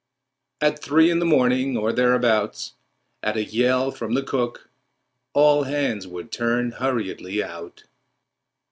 At three in the morning or thereabouts, at a yell from the cook, all hands would turn hurriedly out.